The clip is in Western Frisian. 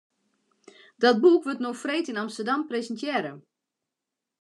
Dat boek wurdt no freed yn Amsterdam presintearre.